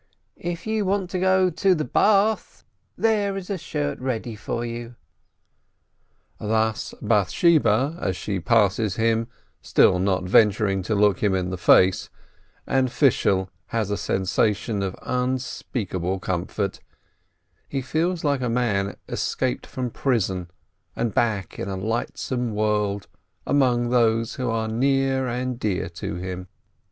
"If you want to go to the bath, there is a shirt ready for you !" Thus Bath sheba as she passes him, still not venturing to look him in the face, and Fishel has a sensation of unspeakable comfort, he feels like a man escaped from prison and back in a lightsome world, among those who are near and dear to him.